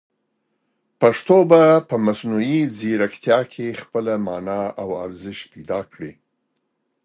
پښتو به په مصنوعي ځیرکتیا کې خپله مانا او ارزښت پیدا کړي.